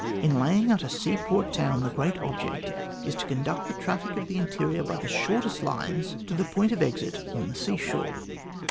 In laying out a seaport town, the great object is to conduct the traffic of the interior by the shortest lines to its point of exit on the seashore.